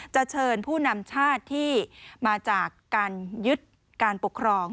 เชิญผู้นำชาติที่มาจากการยึดการปกครอง